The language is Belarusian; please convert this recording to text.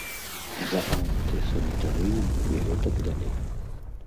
За антысанітарыю і гэтак далей.